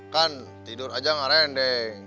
kan tidur aja gak rendeng